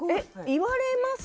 言われます